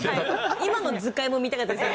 今の図解も見たかったですよね。